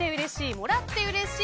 もらってうれしい！